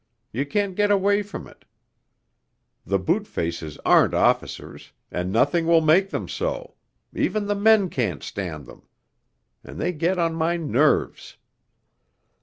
You can't get away from it the boot faces aren't officers, and nothing will make them so ... even the men can't stand them. And they get on my nerves....